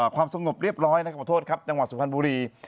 ความสงบเรียบร้อยนะครับขอโทษครับจังหวัดสุพรรณบุรี